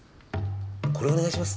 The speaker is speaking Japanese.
これお願いします。